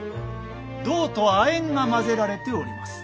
銅と亜鉛が混ぜられております。